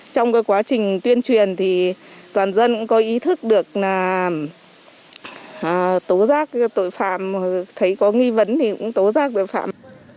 trong quá trình tuyên truyền thì toàn dân cũng có ý thức được tố giác tội phạm thấy có nghi vấn thì cũng tố giác tội phạm